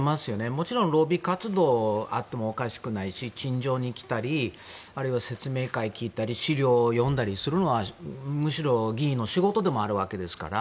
もちろん、ロビー活動があってもおかしくないし陳情に来りあるいは説明会に来たり資料を読んだりするのはむしろ議員の仕事でもあるわけですから。